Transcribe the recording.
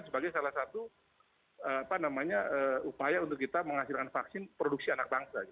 sebagai salah satu upaya untuk kita menghasilkan vaksin produksi anak bangsa